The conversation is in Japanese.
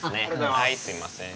はいすいません。